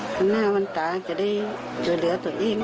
หน้าวันตาจะได้เจอเหลือตัวเอง